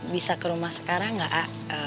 bisa ke rumah sekarang gak aak